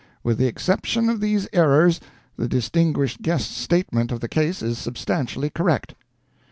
With the exception of these errors, the distinguished guest's statement of the case is substantially correct."